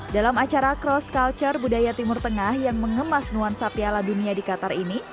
dalam acara cross culture budaya timur tengah yang mengemas nuansa piala dunia di qatar ini